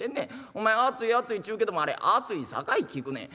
お前熱い熱いちゅうけどもあれ熱いさかい効くねん。